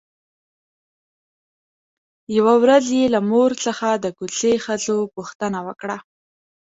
يوه ورځ يې له مور څخه د کوڅې ښځو پوښتنه وکړه.